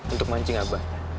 untuk mancing abahnya